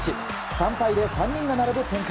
３敗で３人が並ぶ展開。